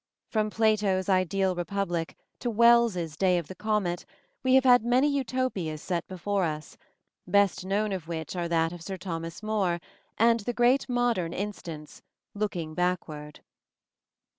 From Plato's ideal Republic to Wells' Day of the Comet we have had many Utopias set before us, best known of which are that of Sir Thomas More and the great modern in stance, "Looking Backward."